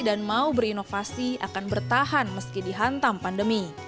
dan mau berinovasi akan bertahan meski dihantam pandemi